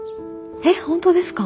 えっ本当ですか！？